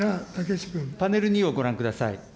パネル２をご覧ください。